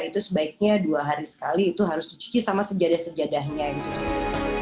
itu sebaiknya dua hari sekali itu harus dicuci sama sejadah sejadahnya gitu